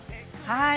はい。